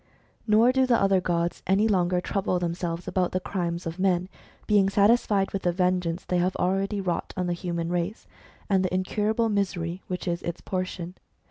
Nor do the other gods any longer trouble themselves about the crimes of men, being satisfied with the vengeance they have already wrought on the human race, and the incurable misery which is its portion.